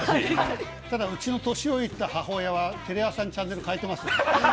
ただうちの年老いた母親はテレ朝にチャンネル変えてますよ。